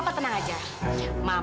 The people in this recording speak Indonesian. do not disenjuang kami